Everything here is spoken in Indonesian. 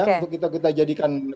oke untuk kita jadikan